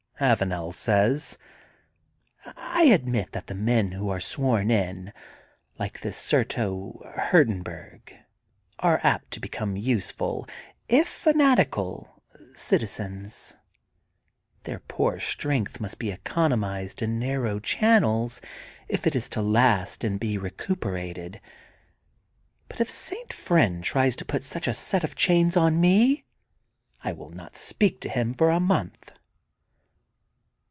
Avanel says: I admit that the men who are sworn in, like this Surto Hurdenburg, are apt to become useful, if fa natical, citizens. Their poor strength must be economized in narrow channels if it is to last and be recuperated. But if St. Friend tries to put such a set of chains on me I will not speak to him for a month.